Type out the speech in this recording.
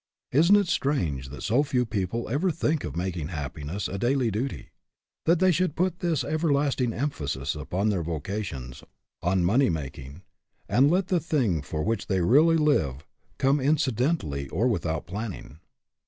Isn't it strange that so few people ever think of making happiness a daily duty; that they should put this everlasting emphasis upon their vocations, on money making, and let the thing for which they really live come inci dentally or without planning